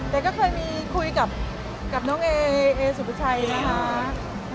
แต่ก็เคยมีคุยกับน้องเอเอสุภาชัยไงคะ